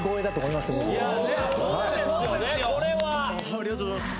ありがとうございます。